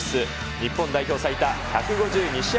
日本代表最多１５２試合